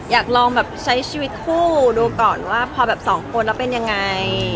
อยากลองแบบใช้ชีวิตคู่ดูก่อนว่าพอแบบสองคนแล้วเป็นยังไง